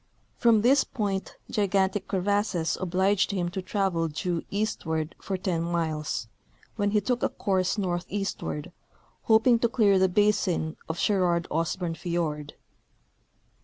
From this point gigantic crevasses obliged him to travel due eastward for ten miles, when he took a course northeastward, hoping to clear the basin of Sherard Osborne fiord.